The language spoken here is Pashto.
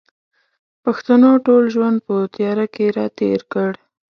پښتنو ټول ژوند په تیاره کښې را تېر کړ